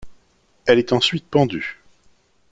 Elle est ensuite pendue.